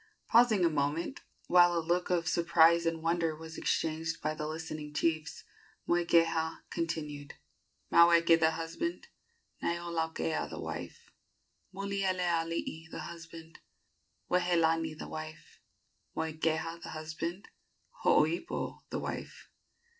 Pausing a moment, while a look of surprise and wonder was exchanged by the listening chiefs, Moikeha continued: "Maweke the husband, "Naiolaukea the wife; "Mulielealii the husband, "Wehelani the wife; "Moikeha the husband, "Hooipo the wife."